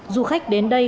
du khách đến đây